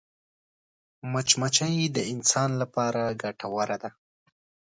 مچمچۍ د انسان لپاره ګټوره ده